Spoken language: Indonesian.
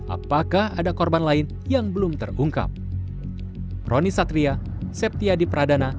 apakah ada korban lain yang belum terungkap